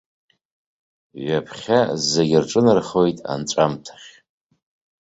Ҩаԥхьа зегьы рҿынархоит анҵәамҭахь.